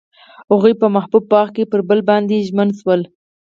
هغوی په محبوب باغ کې پر بل باندې ژمن شول.